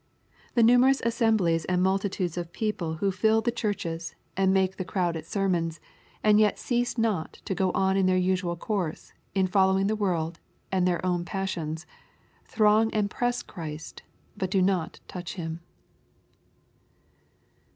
The nmnerous assemblies and multitudes of people who ^ the churches^ 284 EXPOSITOBY THOUGHTS. and make the crowd at sermons, and yet cease not to go on in their usual course, in following the world and their own passions^ throng and press Christy but do not touch Him."